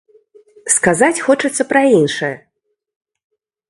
Сказаць хочацца пра іншае.